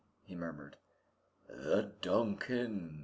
he murmured. "The 'Duncan'!"